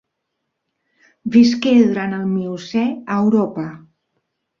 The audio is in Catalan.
Visqué durant el Miocè a Europa.